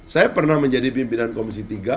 saya pernah menjadi pimpinan komisi tiga